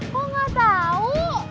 kok gak tahu